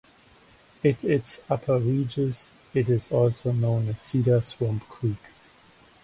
It its upper reaches it is also known as Cedar Swamp Creek.